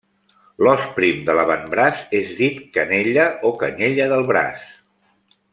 L'os prim de l'avantbraç és dit canella o canyella del braç.